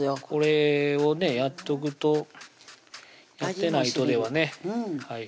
これをねやっとくとやってないとではね